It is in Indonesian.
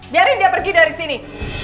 biarin dia pergi dari sini